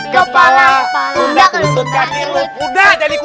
kepala pundak lutut kaki lutut kaki